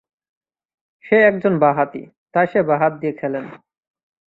সে একজন বাঁ হাতি, তাই সে বাঁ হাত দিয়ে খেলেন।